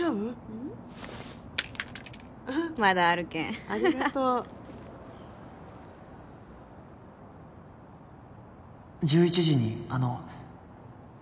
うんまだあるけんありがとう「１１時にあの」